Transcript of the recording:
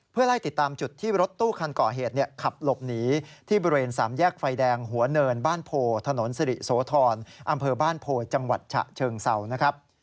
เพื่อไล่ติดตามจุดที่รถตู้คันก่อเหตุขับหลบหนีที่บริเวณสามแยกไฟแดงหัวเนินบ้านโพถนนสิริโสธรอำเภอบ้านโพจังหวัดฉะเชิงเศร้านะครับ